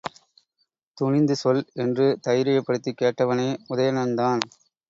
துணிந்து சொல் என்று தைரியப்படுத்திக் கேட்டவனே உதயணன்தான்.